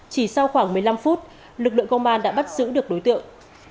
chỉ sau khoảng một mươi năm phút lực lượng công an đã bắt giữ được đối tượng